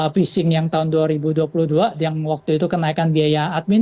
phishing yang tahun dua ribu dua puluh dua yang waktu itu kenaikan biaya admin